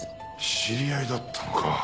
知り合いだったのか。